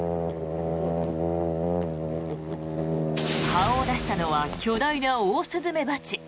顔を出したのは巨大なオオスズメバチ。